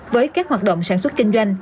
với các hoạt động sản xuất kinh doanh